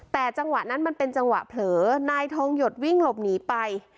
แต่จังหวะนั้นมันเป็นจังหวะเผลอนายทองหยดวิ่งหลบหนีไป